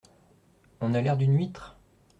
On a l’air d’une huître !